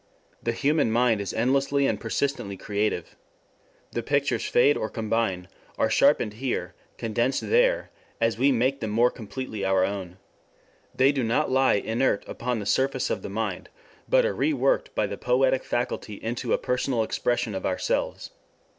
The human mind is endlessly and persistently creative. The pictures fade or combine, are sharpened here, condensed there, as we make them more completely our own. They do not lie inert upon the surface of the mind, but are reworked by the poetic faculty into a personal expression of ourselves.